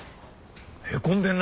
へこんでるな！